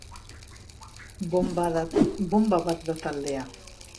Bonba bat da taldea.